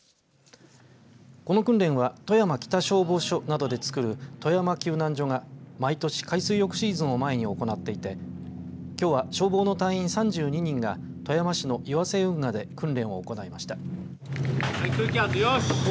この訓練は富山北消防署などでつくる富山救難所が毎年海水浴シーズンを前に行っていてきょうは消防の隊員３２人が富山市の岩瀬運河で訓練を行いました。